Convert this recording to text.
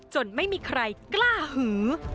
ไม่มีใครกล้าหือ